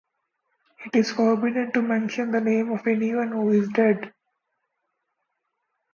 It is forbidden to mention the name of anyone who is dead.